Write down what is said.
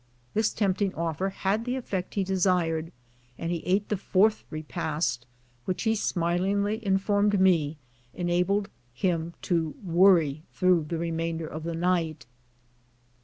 This tempting offer had the effect he desired, and he ate the fourth repast, which he smilingly informed me enabled him to worry through the remainder of the night.